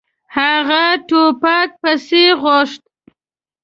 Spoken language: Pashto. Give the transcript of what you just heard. هغه ټوپک پسې غوښت.